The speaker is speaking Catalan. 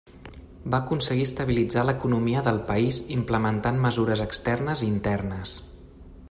Va aconseguir estabilitzar l'economia del país implementant mesures externes i internes.